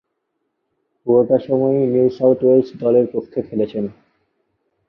পুরোটা সময়ই New South Wales দলের পক্ষে খেলেছেন।